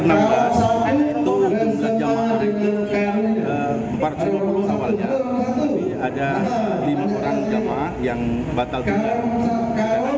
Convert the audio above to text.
empat ratus empat puluh lima awalnya ada lima orang jemaah yang batal berangkat karena sakit